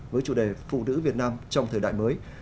với chủ đề phụ nữ việt nam trong thời đại mới